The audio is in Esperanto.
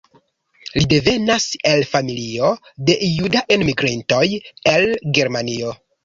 Li devenas el familio de juda enmigrintoj el Germanio.